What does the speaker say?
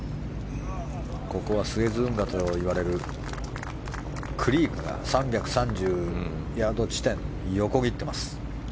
ここはスエズ運河といわれるクリークが３３０ヤード地点を横切っています。